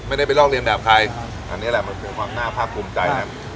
ไม่ได้ไปลอกเรียนแบบใครอันนี้แหละมันคือความน่าภาคภูมิใจแล้ว